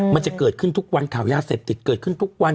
มันจะเกิดขึ้นทุกวันข่าวยาเสพติดเกิดขึ้นทุกวัน